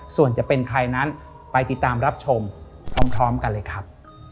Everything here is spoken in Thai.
ส่วนจะเป็นใครนั้นไปติดตามรับชมพร้อมกันเลยครับ